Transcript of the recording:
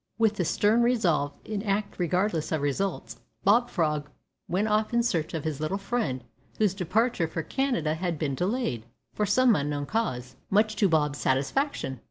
With this stern resolve, to act regardless of results, Bob Frog went off in search of his little friend, whose departure for Canada had been delayed, from some unknown cause, much to Bob's satisfaction.